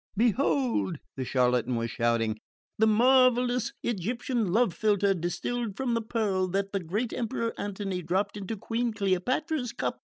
"Behold," the charlatan was shouting, "the marvellous Egyptian love philter distilled from the pearl that the great Emperor Antony dropped into Queen Cleopatra's cup.